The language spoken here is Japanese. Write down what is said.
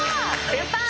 やったー！